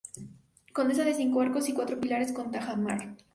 Consta de cinco arcos y cuatro pilares con tajamar.